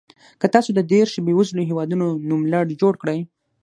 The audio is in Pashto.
که تاسو د دېرش بېوزلو هېوادونو نوملړ جوړ کړئ.